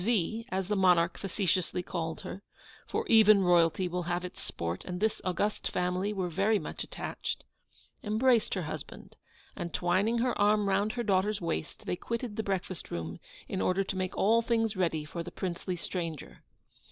V., as the monarch facetiously called her (for even royalty will have its sport, and this august family were very much attached), embraced her husband, and, twining her arm round her daughter's waist, they quitted the breakfast room in order to make all things ready for the princely stranger.